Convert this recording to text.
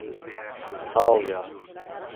Sağ ol ya.